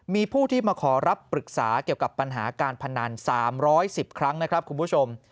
มีผู้ที่มาขอรับปรึกษาเกี่ยวกับปัญหาการพนัน๓๑๐ครั้งนะครับคุณผู้ชม